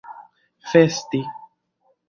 festi